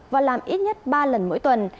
và làm ít nhất ba lần mỗi tuần